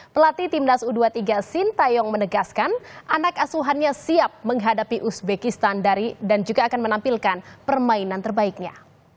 pelatih timnas u dua puluh tiga sintayong menegaskan anak asuhannya siap menghadapi uzbekistan dari dan juga akan menampilkan permainan terbaiknya